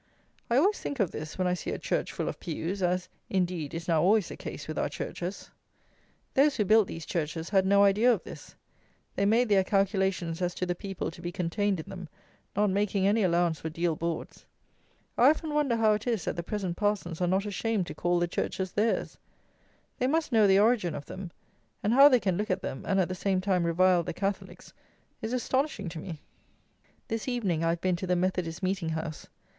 I always think of this, when I see a church full of pews; as, indeed, is now always the case with our churches. Those who built these churches had no idea of this: they made their calculations as to the people to be contained in them, not making any allowance for deal boards. I often wonder how it is that the present parsons are not ashamed to call the churches theirs! They must know the origin of them; and how they can look at them, and at the same time revile the Catholics, is astonishing to me. This evening I have been to the Methodist Meeting house.